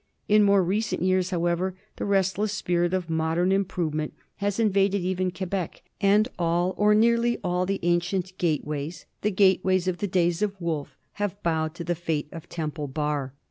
In more recent years, how ever, the restless spirit of modern improvement has invaded even Quebec, and all, or nearly all, the ancient gate ways, the gate ways of the days of Wolfe, have bowed to the fate of Temple Bar.